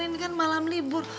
ini kan malam libur